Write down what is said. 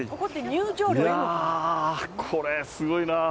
これすごいなあ。